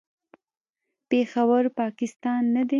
پېښور، پاکستان نه دی.